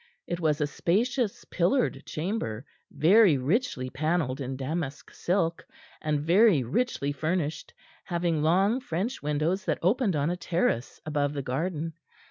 It was a spacious, pillared chamber, very richly panelled in damask silk, and very richly furnished, having long French windows that opened on a terrace above the garden.